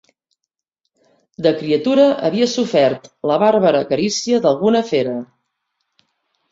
De criatura, havia sofert la bàrbara carícia d'alguna fera.